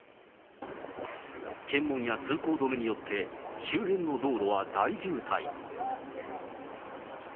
検問や通行止めによって、周辺の道路は大渋滞。